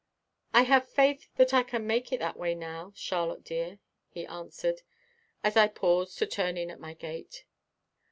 "I have faith that I can make it that way now, Charlotte dear," he answered, as I paused to turn in at my gate.